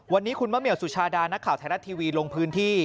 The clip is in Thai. วันนี้คุณมะเหี่ยวสุชาดานักข่าวไทยรัฐทีวีลงพื้นที่